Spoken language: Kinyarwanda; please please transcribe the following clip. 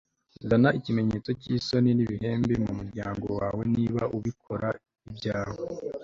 zana ikimenyetso cy'isoni n'ibibembe mumuryango wawe. niba ubikora, ibyawe